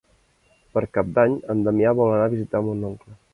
Per Cap d'Any en Damià vol anar a visitar mon oncle.